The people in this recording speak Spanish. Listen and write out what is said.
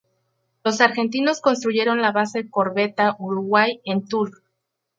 Los argentinos construyeron la Base Corbeta Uruguay en Tule.